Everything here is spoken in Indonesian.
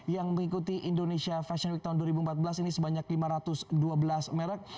yang mengikuti indonesia fashion week tahun dua ribu empat belas ini sebanyak lima ratus dua belas merek